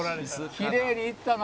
「きれいにいったな」